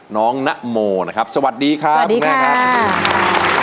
น้องนะโมนะครับสวัสดีครับคุณแม่ครับสวัสดีค่ะ